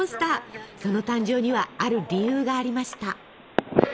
その誕生にはある理由がありました。